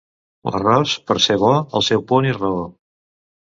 L'arròs, per ser bo, al seu punt i raó.